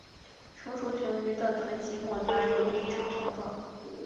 成熟雄鱼的臀鳍末端游离呈条状。